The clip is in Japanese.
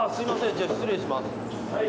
じゃあ失礼します。